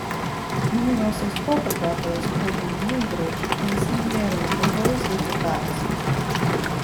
Numerosos fotógrafos como Muybridge, consiguieron mejores resultados.